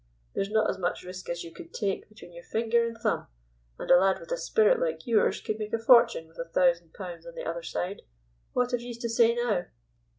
There's not as much risk as you could take between your finger and thumb, and a lad with a spirit like yours could make a fortune with a thousand pounds on the other side. What have you to say now?"